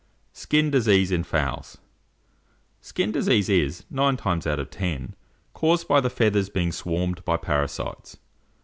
SKIN DISEASE IN FOWLS. Skin disease is, nine times out of ten, caused by the feathers being swarmed by parasites.